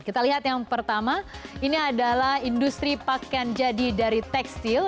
kita lihat yang pertama ini adalah industri pakaian jadi dari tekstil